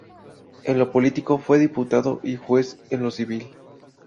En lo político fue diputado y juez en lo civil.